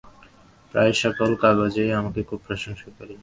প্রায় সকল কাগজেই আমাকে খুব প্রশংসা করিয়াছে।